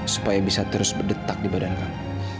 supaya bisa terus berdetak di badan kami